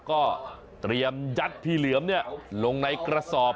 ก็เตรียมยัดพี่เหลือมลงในกระสอบ